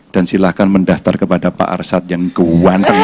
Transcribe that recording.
dan silahkan mendaftar kepada pak arshad yang ke one